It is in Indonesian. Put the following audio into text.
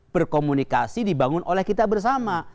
berkomunikasi dibangun oleh kita bersama